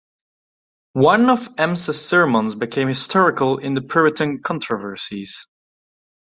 One of Ames's sermons became historical in the Puritan controversies.